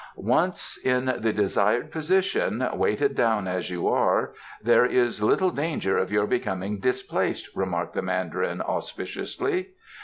"Once in the desired position, weighted down as you are, there is little danger of your becoming displaced," remarked the Mandarin auspiciously.